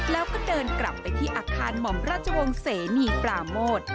แล้วก็เดินกลับไปที่อาคารหม่อมราชวงศ์เสนีปราโมท